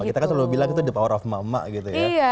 kita kan selalu bilang itu the power of emak emak gitu ya